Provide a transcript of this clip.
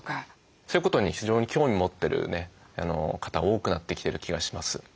そういうことに非常に興味持ってる方多くなってきてる気がします。